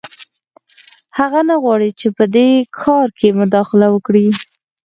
هغه نه غواړي چې ته په دې کار کې مداخله وکړې